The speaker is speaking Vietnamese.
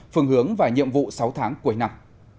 phương hướng và nhiệm vụ sáu tháng cuối năm